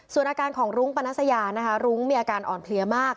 ส่วนอาการของรุ้งปนัสยานะคะรุ้งมีอาการอ่อนเพลียมาก